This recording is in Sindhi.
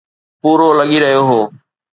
پورو لڳي رهيو هو.